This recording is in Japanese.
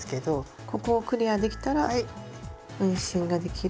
ここをクリアできたら運針ができる。